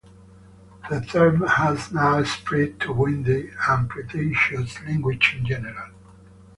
The term has now spread to windy and pretentious language in general.